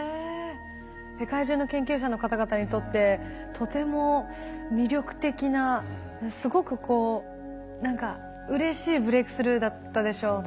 世界中の研究者の方々にとってとても魅力的なすごくこう何かうれしいブレークスルーだったでしょうね。